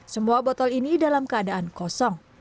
semua botol ini dalam keadaan kosong